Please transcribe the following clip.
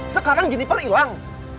sekarang jennifer hilang